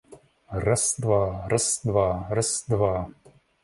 Раз, два! Раз, два! Раз два!